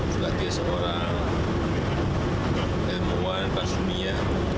juga dia seorang emuan pasunia